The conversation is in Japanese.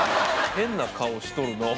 「変な顔しとるのう」